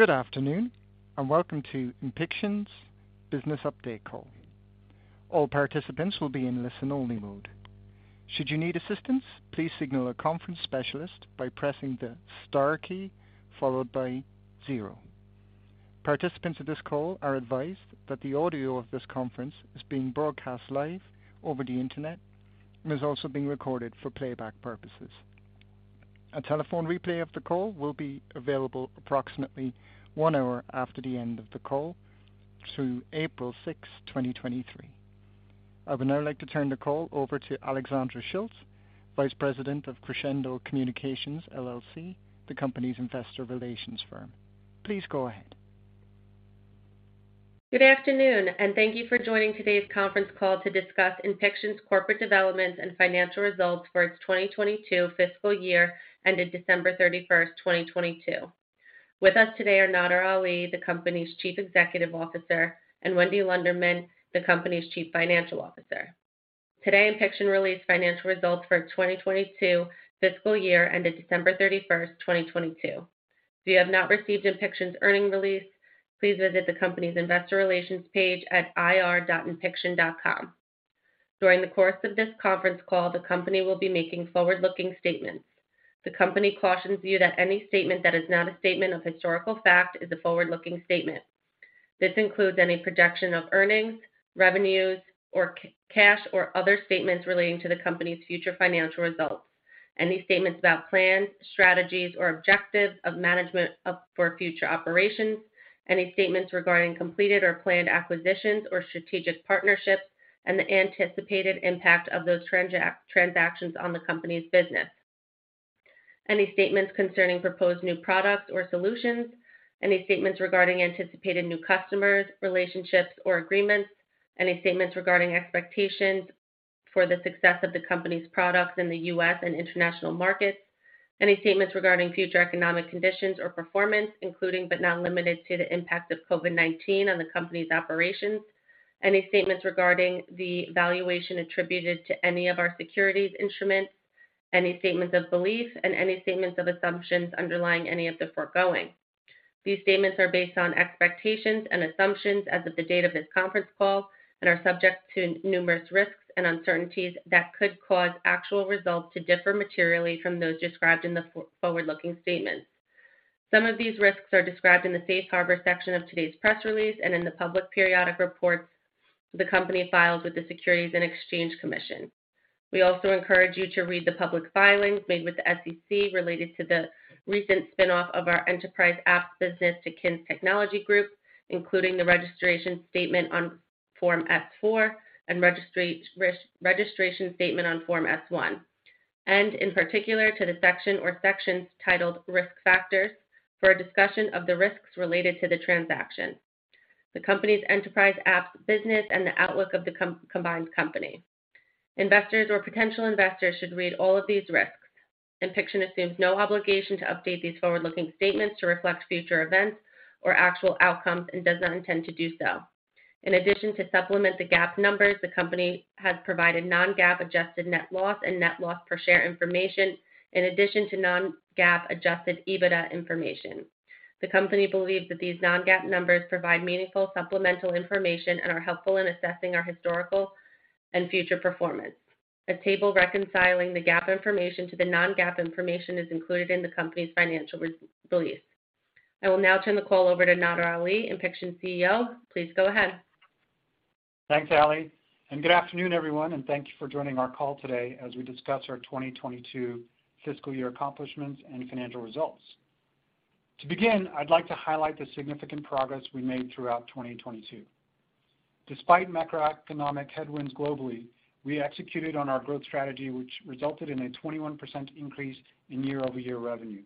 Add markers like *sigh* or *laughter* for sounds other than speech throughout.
Good afternoon, welcome to Inpixon's Business Update Call. All participants will be in listen-only mode. Should you need assistance, please signal a conference specialist by pressing the star key followed by zero. Participants of this call are advised that the audio of this conference is being broadcast live over the Internet and is also being recorded for playback purposes. A telephone replay of the call will be available approximately one hour after the end of the call through 6 April 2023. I would now like to turn the call over to Alexandra Schilt, Vice President of Crescendo Communications, LLC, the company's investor relations firm. Please go ahead. Good afternoon, thank you for joining today's conference call to discuss Inpixon's corporate developments and financial results for its 2022 fiscal year ended 31 December 2022. With us today are Nadir Ali, the company's Chief Executive Officer, and Wendy Loundermon, the company's Chief Financial Officer. Today, Inpixon released financial results for 2022 fiscal year ended 31 December 2022. If you have not received Inpixon's earning release, please visit the company's investor relations page at ir.inpixon.com. During the course of this conference call, the company will be making forward-looking statements. The company cautions you that any statement that is not a statement of historical fact is a forward-looking statement. This includes any projection of earnings, revenues, or cash, or other statements relating to the company's future financial results. Any statements about plans, strategies, or objectives of management for future operations. Any statements regarding completed or planned acquisitions or strategic partnerships and the anticipated impact of those transactions on the company's business. Any statements concerning proposed new products or solutions. Any statements regarding anticipated new customers, relationships, or agreements. Any statements regarding expectations for the success of the company's products in the U.S. and international markets. Any statements regarding future economic conditions or performance, including, but not limited to, the impact of COVID-19 on the company's operations. Any statements regarding the valuation attributed to any of our securities instruments, any statements of belief, and any statements of assumptions underlying any of the foregoing. These statements are based on expectations and assumptions as of the date of this conference call and are subject to numerous risks and uncertainties that could cause actual results to differ materially from those described in the forward-looking statements. Some of these risks are described in the Safe Harbor section of today's press release and in the public periodic reports the company files with the Securities and Exchange Commission. We also encourage you to read the public filings made with the SEC related to the recent spin-off of our enterprise app business to KINS Technology Group, including the registration statement on Form S4 and re-registration statement on Form S1. In particular, to the section or sections titled Risk Factors for a discussion of the risks related to the transaction. The company's enterprise apps business and the outlook of the combined company. Investors or potential investors should read all of these risks. Inpixon assumes no obligation to update these forward-looking statements to reflect future events or actual outcomes and does not intend to do so. In addition, to supplement the GAAP numbers, the company has provided non-GAAP adjusted net loss and net loss per share information in addition to non-GAAP adjusted EBITDA information. The company believes that these non-GAAP numbers provide meaningful supplemental information and are helpful in assessing our historical and future performance. A table reconciling the GAAP information to the non-GAAP information is included in the company's financial re-release. I will now turn the call over to Nadir Ali, Inpixon CEO. Please go ahead. Thanks, Ally, good afternoon, everyone, and thank you for joining our call today as we discuss our 2022 fiscal year accomplishments and financial results. To begin, I'd like to highlight the significant progress we made throughout 2022. Despite macroeconomic headwinds globally, we executed on our growth strategy, which resulted in a 21% increase in year-over-year revenue.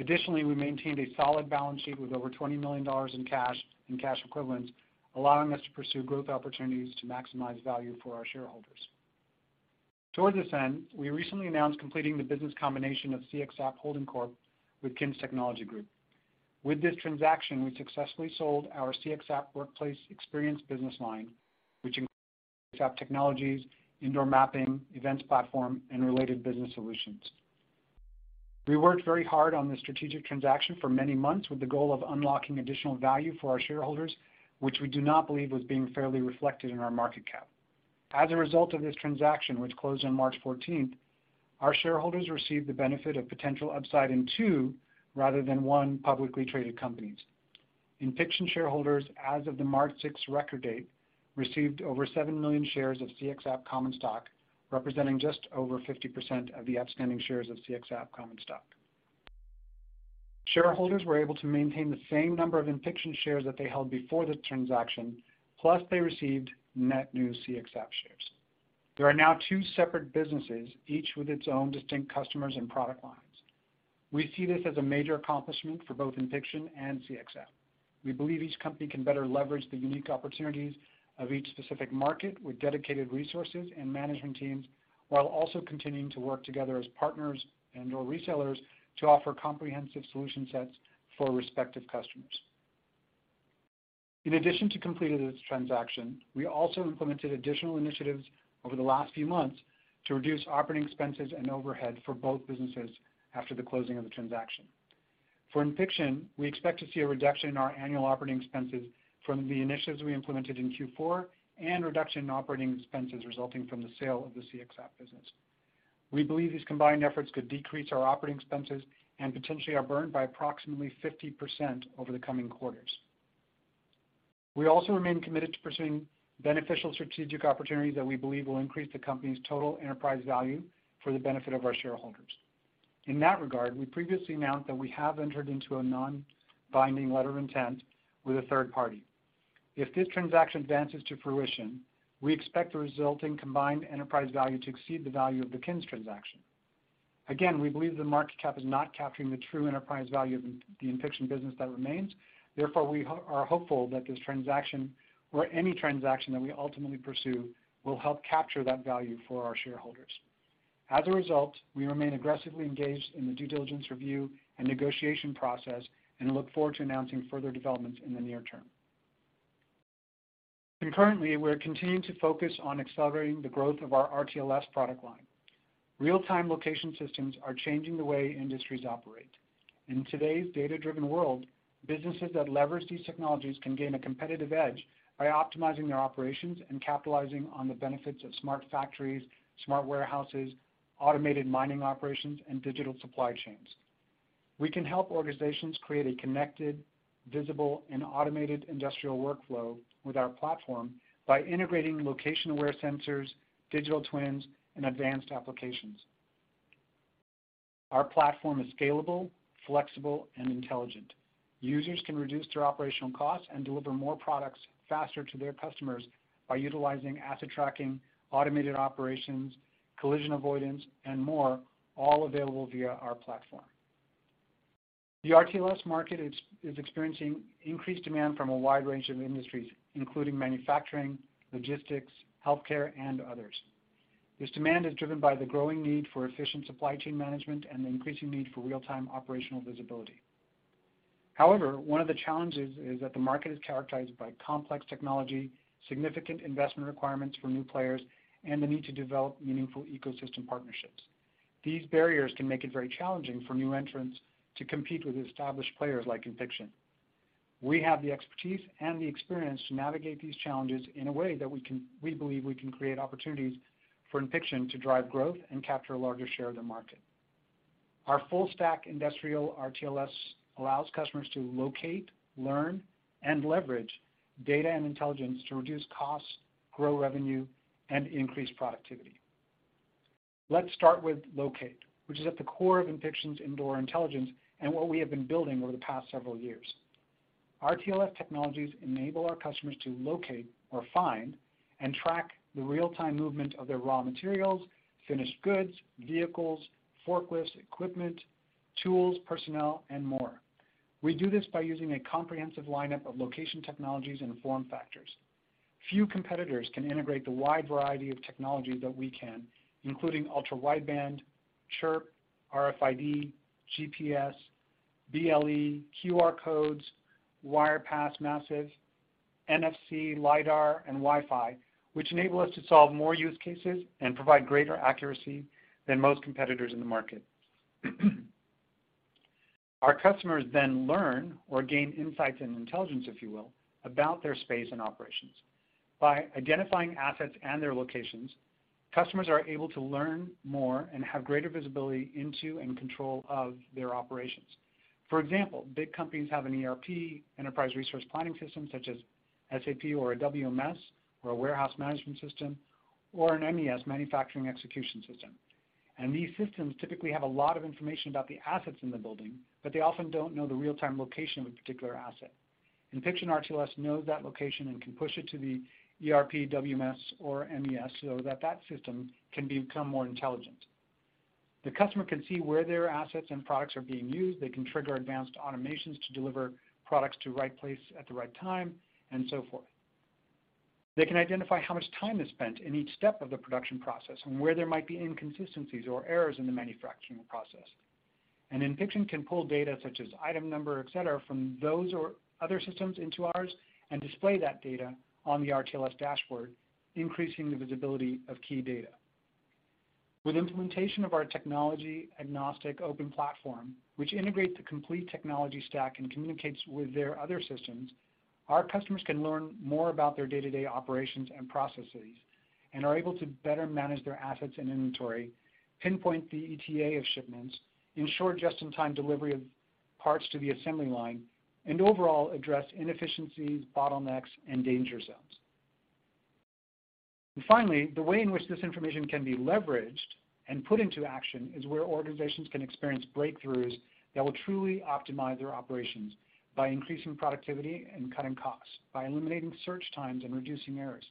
Additionally, we maintained a solid balance sheet with over $20 million in cash and cash equivalents, allowing us to pursue growth opportunities to maximize value for our shareholders. Towards this end, we recently announced completing the business combination of CXApp Holding Corp with KINS Technology Group. With this transaction, we successfully sold our CXApp workplace experience business line, which includes CXApp technologies, indoor mapping, events platform, and related business solutions. We worked very hard on this strategic transaction for many months with the goal of unlocking additional value for our shareholders, which we do not believe was being fairly reflected in our market cap. As a result of this transaction, which closed on 14 March, our shareholders received the benefit of potential upside in two rather than one publicly traded companies. Inpixon shareholders, as of the 6 March record date, received over seven million shares of CXApp common stock, representing just over 50% of the outstanding shares of CXApp common stock. Shareholders were able to maintain the same number of Inpixon shares that they held before the transaction, plus they received net new CXApp shares. There are now two separate businesses, each with its own distinct customers and product lines. We see this as a major accomplishment for both Inpixon and CXApp. We believe each company can better leverage the unique opportunities of each specific market with dedicated resources and management teams, while also continuing to work together as partners and/or resellers to offer comprehensive solution sets for respective customers. In addition to completing this transaction, we also implemented additional initiatives over the last few months to reduce operating expenses and overhead for both businesses after the closing of the transaction. For Inpixon, we expect to see a reduction in our annual operating expenses from the initiatives we implemented in Q4 and reduction in operating expenses resulting from the sale of the CXApp business. We believe these combined efforts could decrease our operating expenses and potentially our burn by approximately 50% over the coming quarters. We also remain committed to pursuing beneficial strategic opportunities that we believe will increase the company's total enterprise value for the benefit of our shareholders. In that regard, we previously announced that we have entered into a non-binding letter of intent with a third party. If this transaction advances to fruition, we expect the resulting combined enterprise value to exceed the value of the KINS transaction. Again, we believe the market cap is not capturing the true enterprise value of the Inpixon business that remains. Therefore, we are hopeful that this transaction or any transaction that we ultimately pursue will help capture that value for our shareholders. As a result, we remain aggressively engaged in the due diligence review and negotiation process and look forward to announcing further developments in the near term. Concurrently, we're continuing to focus on accelerating the growth of our RTLS product line. Real-time location systems are changing the way industries operate. In today's data-driven world, businesses that leverage these technologies can gain a competitive edge by optimizing their operations and capitalizing on the benefits of smart factories, smart warehouses, automated mining operations, and digital twins. We can help organizations create a connected, visible, and automated industrial workflow with our platform by integrating location-aware sensors, digital twins, and advanced applications. Our platform is scalable, flexible, and intelligent. Users can reduce their operational costs and deliver more products faster to their customers by utilizing asset tracking, automated operations, collision avoidance, and more, all available via our platform. The RTLS market is experiencing increased demand from a wide range of industries, including manufacturing, logistics, healthcare, and others. This demand is driven by the growing need for efficient supply chain management and the increasing need for real-time operational visibility. However, one of the challenges is that the market is characterized by complex technology, significant investment requirements for new players, and the need to develop meaningful ecosystem partnerships. These barriers can make it very challenging for new entrants to compete with established players like Inpixon. We have the expertise and the experience to navigate these challenges in a way that we believe we can create opportunities for Inpixon to drive growth and capture a larger share of the market. Our full-stack industrial RTLS allows customers to locate, learn, and leverage data and intelligence to reduce costs, grow revenue, and increase productivity. Let's start with locate, which is at the core of Inpixon's indoor intelligence and what we have been building over the past several years. RTLS technologies enable our customers to locate or find and track the real-time movement of their raw materials, finished goods, vehicles, forklifts, equipment, tools, personnel, and more. We do this by using a comprehensive lineup of location technologies and form factors. Few competitors can integrate the wide variety of technologies that we can, including ultra-wideband, Chirp, RFID, GPS, BLE, QR codes, Wirepas Massive, NFC, LIDAR, and Wi-Fi, which enable us to solve more use cases and provide greater accuracy than most competitors in the market. Our customers learn or gain insights and intelligence, if you will, about their space and operations. By identifying assets and their locations, customers are able to learn more and have greater visibility into and control of their operations. For example, big companies have an ERP, enterprise resource planning system, such as SAP or a WMS or a warehouse management system, or an MES, manufacturing execution system. These systems typically have a lot of information about the assets in the building, but they often don't know the real-time location of a particular asset. Inpixon RTLS knows that location and can push it to the ERP, WMS, or MES so that that system can become more intelligent. The customer can see where their assets and products are being used. They can trigger advanced automations to deliver products to right place at the right time, and so forth. They can identify how much time is spent in each step of the production process and where there might be inconsistencies or errors in the manufacturing process. Inpixon can pull data such as item number, et cetera, from those or other systems into ours and display that data on the RTLS dashboard, increasing the visibility of key data. With implementation of our technology agnostic open platform, which integrates the complete technology stack and communicates with their other systems, our customers can learn more about their day-to-day operations and processes and are able to better manage their assets and inventory, pinpoint the ETA of shipments, ensure just-in-time delivery of parts to the assembly line, and overall address inefficiencies, bottlenecks, and danger zones. Finally, the way in which this information can be leveraged and put into action is where organizations can experience breakthroughs that will truly optimize their operations by increasing productivity and cutting costs, by eliminating search times and reducing errors,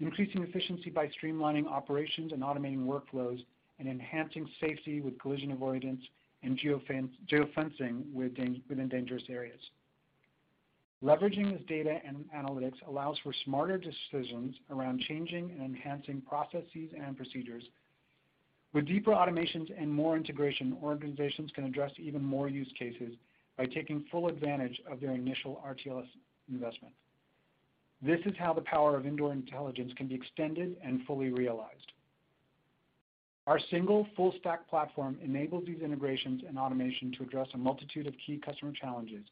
increasing efficiency by streamlining operations and automating workflows, and enhancing safety with collision avoidance and geofencing within dangerous areas. Leveraging this data and analytics allows for smarter decisions around changing and enhancing processes and procedures. With deeper automations and more integration, organizations can address even more use cases by taking full advantage of their initial RTLS investment. This is how the power of indoor intelligence can be extended and fully realized. Our single full stack platform enables these integrations and automation to address a multitude of key customer challenges.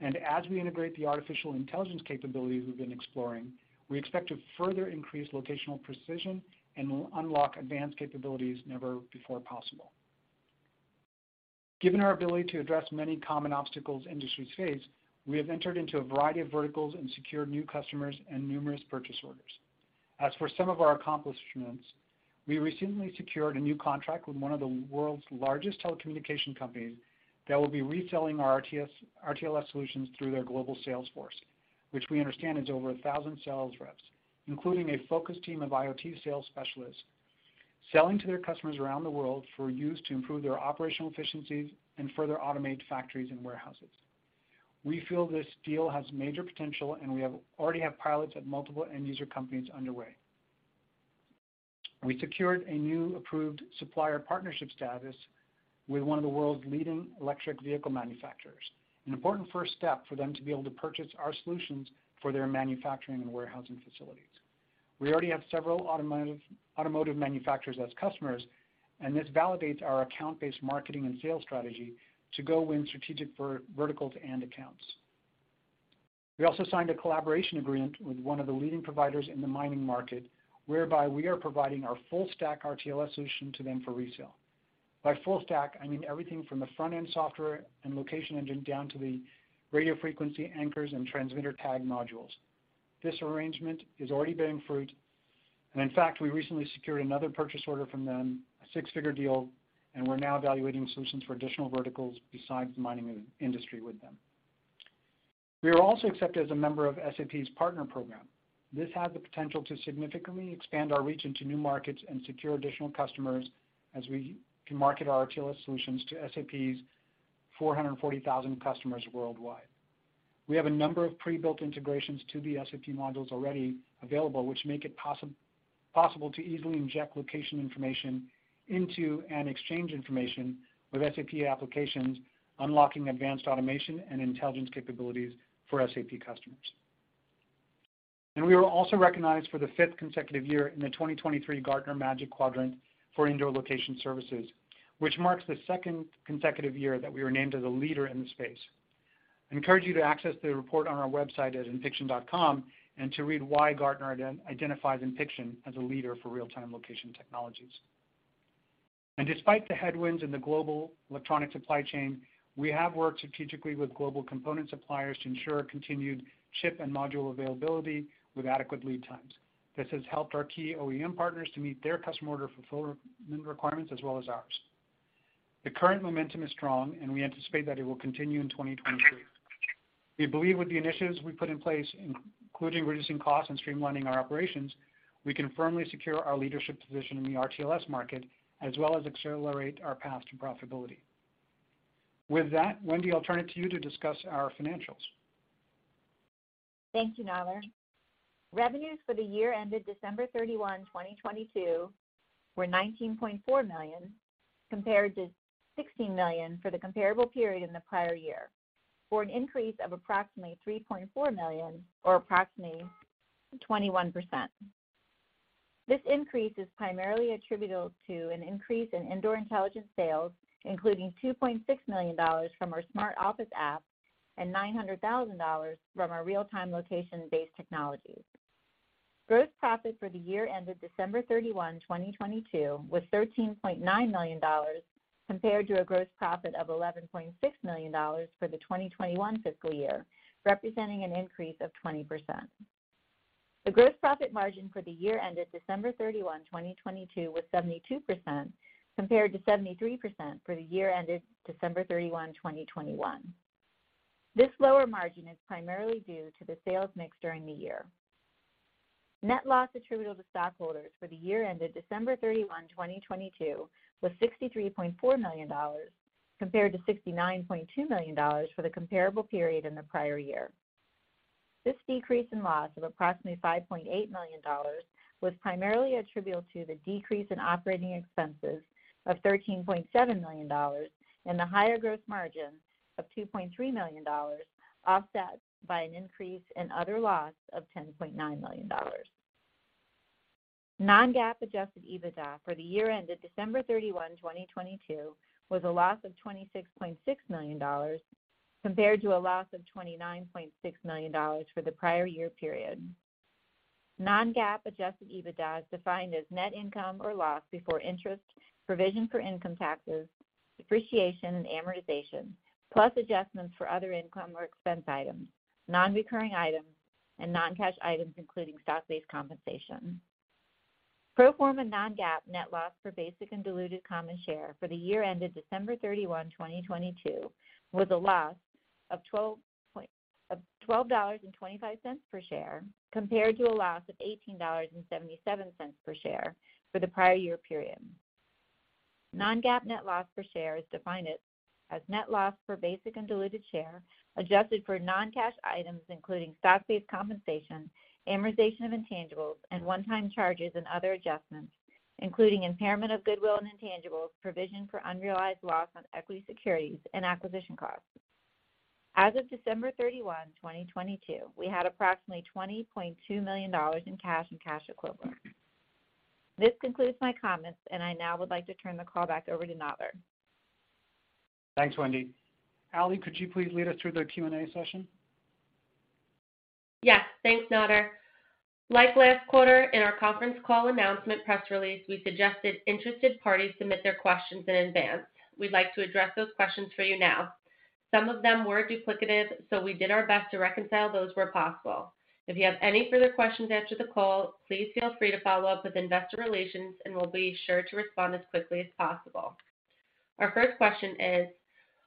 As we integrate the artificial intelligence capabilities we've been exploring, we expect to further increase locational precision and unlock advanced capabilities never before possible. Given our ability to address many common obstacles industries face, we have entered into a variety of verticals and secured new customers and numerous purchase orders. As for some of our accomplishments, we recently secured a new contract with one of the world's largest telecommunication companies that will be reselling our RTLS solutions through their global sales force, which we understand is over 1,000 sales reps, including a focus team of IoT sales specialists selling to their customers around the world for use to improve their operational efficiencies and further automate factories and warehouses. We feel this deal has major potential, and we already have pilots at multiple end user companies underway. We secured a new approved supplier partnership status with one of the world's leading electric vehicle manufacturers, an important first step for them to be able to purchase our solutions for their manufacturing and warehousing facilities. This validates our automotive manufacturers as customers, and our account-based marketing and sales strategy to go win strategic verticals and accounts. We also signed a collaboration agreement with one of the leading providers in the mining market, whereby we are providing our full stack RTLS solution to them for resale. By full stack, I mean everything from the front end software and location engine, down to the radio frequency anchors and transmitter tag modules. This arrangement is already bearing fruit. In fact, we recently secured another purchase order from them, a $6-figure deal, and we're now evaluating solutions for additional verticals besides the mining industry with them. We were also accepted as a member of SAP's partner program. This has the potential to significantly expand our reach into new markets and secure additional customers as we can market our RTLS solutions to SAP's 440,000 customers worldwide. We have a number of pre-built integrations to the SAP modules already available, which make it possible to easily inject location information into and exchange information with SAP applications, unlocking advanced automation and intelligence capabilities for SAP customers. We were also recognized for the fifth consecutive year in the 2023 Gartner Magic Quadrant for Indoor Location Services, which marks the second consecutive year that we were named as a leader in the space. I encourage you to access the report on our website at inpixon.com and to read why Gartner identifies Inpixon as a leader for real-time location technologies. Despite the headwinds in the global electronic supply chain, we have worked strategically with global component suppliers to ensure continued chip and module availability with adequate lead times. This has helped our key OEM partners to meet their customer order fulfillment requirements as well as ours. The current momentum is strong, and we anticipate that it will continue in 2023. We believe with the initiatives we put in place, including reducing costs and streamlining our operations, we can firmly secure our leadership position in the RTLS market, as well as accelerate our path to profitability. With that, Wendy, I'll turn it to you to discuss our financials. Thank you, Nadir. Revenues for the year ended 31 December 2022 were $19.4 million, compared to $16 million for the comparable period in the prior year, for an increase of approximately $3.4 million or approximately 21%. This increase is primarily attributable to an increase in indoor intelligence sales, including $2.6 million from our smart office app and $900,000 from our real-time location-based technologies. Gross profit for the year ended December 31, 2022 was $13.9 million, compared to a gross profit of $11.6 million for the 2021 fiscal year, representing an increase of 20%. The gross profit margin for the year ended December 31, 2022 was 72%, compared to 73% for the year ended 31 December 2021. This lower margin is primarily due to the sales mix during the year. Net loss attributable to stockholders for the year ended 31 December 2022 was $63.4 million, compared to $69.2 million for the comparable period in the prior year. This decrease in loss of approximately $5.8 million was primarily attributable to the decrease in operating expenses of $13.7 million and the higher gross margin of $2.3 million, offset by an increase in other loss of $10.9 million. non-GAAP adjusted EBITDA for the year ended 31 December 2022 was a loss of $26.6 million, compared to a loss of $29.6 million for the prior year period. Non-GAAP adjusted EBITDA is defined as net income or loss before interest, provision for income taxes, depreciation, and amortization, plus adjustments for other income or expense items, non-recurring items, and non-cash items, including stock-based compensation. Pro forma non-GAAP net loss per basic and diluted common share for the year ended 31 December 2022 was a loss of $12.25 per share, compared to a loss of $18.77 per share for the prior year period. Non-GAAP net loss per share is defined as net loss for basic and diluted share, adjusted for non-cash items including stock-based compensation, amortization of intangibles, and one-time charges and other adjustments, including impairment of goodwill and intangibles, provision for unrealized loss on equity securities and acquisition costs. As of 31 December 2022, we had approximately $20.2 million in cash and cash equivalents. This concludes my comments, and I now would like to turn the call back over to Nadir. Thanks, Wendy. Ally, could you please lead us through the Q&A session? Yes, thanks, Nadir. Like last quarter, in our conference call announcement press release, we suggested interested parties submit their questions in advance. We'd like to address those questions for you now. Some of them were duplicative, so we did our best to reconcile those where possible. If you have any further questions after the call, please feel free to follow up with investor relations, and we'll be sure to respond as quickly as possible. Our first question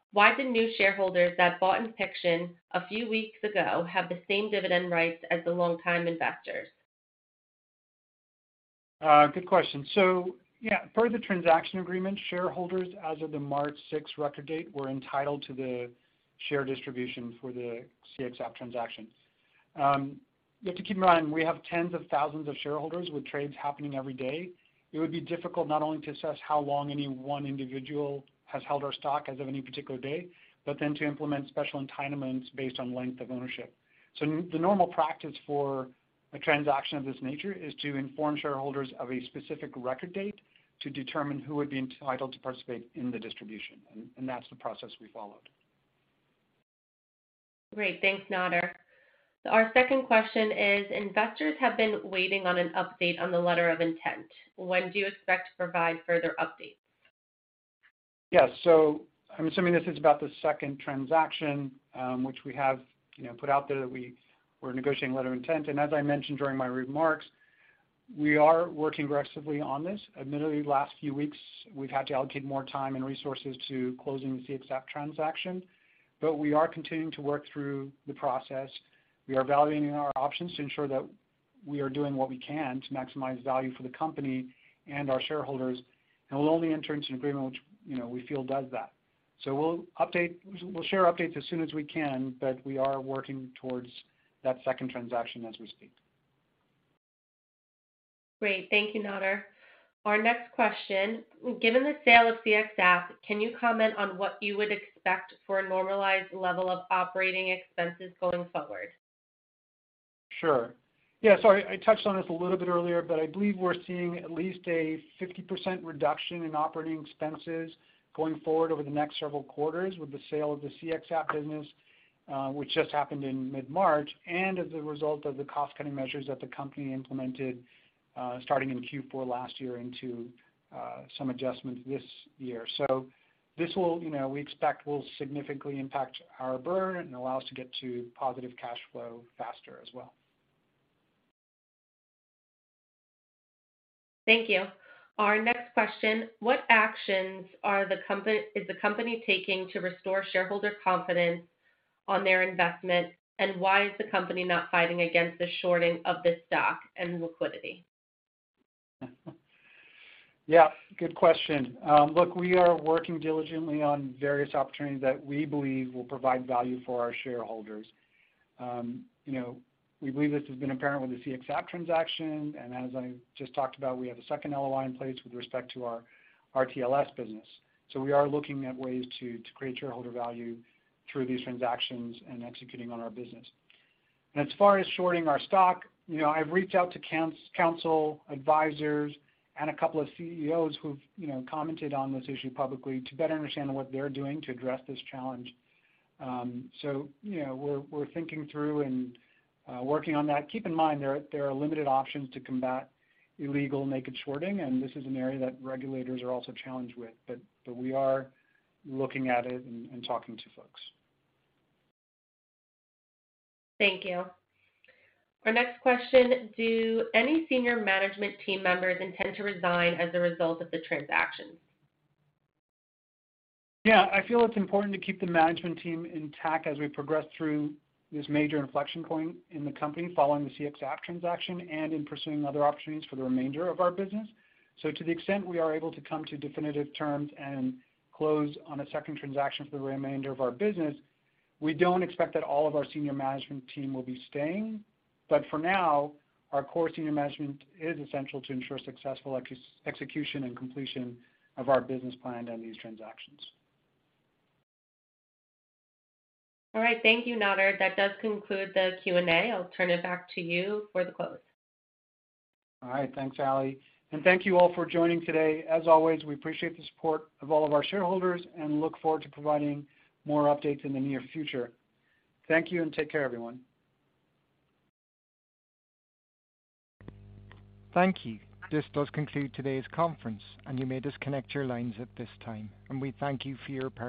is: why do new shareholders that bought Inpixon a few weeks ago have the same dividend rights as the longtime investors? Good question. Yeah, per the transaction agreement, shareholders as of the 6 March record date were entitled to the share distribution for the CXApp transaction. You have to keep in mind, we have tens of thousands of shareholders with trades happening every day. It would be difficult not only to assess how long any one individual has held our stock as of any particular day, but then to implement special entitlements based on length of ownership. The normal practice for a transaction of this nature is to inform shareholders of a specific record date to determine who would be entitled to participate in the distribution. That's the process we followed. Great. Thanks, Nadir. Our second question is: investors have been waiting on an update on the letter of intent. When do you expect to provide further updates? Yeah. I'm assuming this is about the second transaction, which we have, you know, put out there that we're negotiating a letter of intent. As I mentioned during my remarks, we are working aggressively on this. Admittedly, the last few weeks, we've had to allocate more time and resources to closing the CXApp transaction, but we are continuing to work through the process. We are evaluating our options to ensure that we are doing what we can to maximize value for the company and our shareholders, and we'll only enter into an agreement which, you know, we feel does that. We'll update... We'll share updates as soon as we can, but we are working towards that second transaction as we speak. Great. Thank you, Nadir. Our next question: given the sale of CXApp, can you comment on what you would expect for a normalized level of operating expenses going forward? Sure. Yeah, I touched on this a little bit earlier, but I believe we're seeing at least a 50% reduction in operating expenses going forward over the next several quarters with the sale of the CXApp business, which just happened in mid-March, and as a result of the cost-cutting measures that the company implemented, starting in Q4 last year into some adjustments this year. This will, you know, we expect will significantly impact our burn and allow us to get to positive cash flow faster as well. Thank you. Our next question: what actions is the company taking to restore shareholder confidence on their investment, and why is the company not fighting against the shorting of the stock and liquidity? Yeah, good question. look, we are working diligently on various opportunities that we believe will provide value for our shareholders. you know, we believe this has been apparent with the CXApp transaction, and as I just talked about, we have a second LOI in place with respect to our RTLS business. We are looking at ways to create shareholder value through these transactions and executing on our business. As far as shorting our stock, you know, I've reached out to counsel, advisors, and a couple of CEOs who've, you know, commented on this issue publicly to better understand what they're doing to address this challenge. you know, we're thinking through and working on that. Keep in mind there are limited options to combat illegal naked shorting, and this is an area that regulators are also challenged with. We are looking at it and talking to folks. Thank you. Our next question: do any senior management team members intend to resign as a result of the transactions? Yeah, I feel it's important to keep the management team intact as we progress through this major inflection point in the company following the CXApp transaction and in pursuing other opportunities for the remainder of our business. To the extent we are able to come to definitive terms and close on a second transaction for the remainder of our business, we don't expect that all of our senior management team will be staying, but for now, our core senior management is essential to ensure successful execution and completion of our business plan on these transactions. All right. Thank you, Nadir. That does conclude the Q&A. I'll turn it back to you for the close. All right. Thanks, Ally. Thank you all for joining today. As always, we appreciate the support of all of our shareholders and look forward to providing more updates in the near future. Thank you. Take care, everyone. Thank you. This does conclude today's conference, and you may disconnect your lines at this time. We thank you for your. *inaudible*